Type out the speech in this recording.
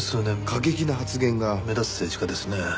過激な発言が目立つ政治家ですね。